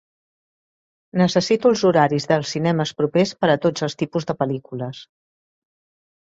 Necessito els horaris dels cinemes propers per a tots els tipus de pel·lícules